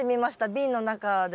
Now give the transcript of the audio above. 瓶の中で。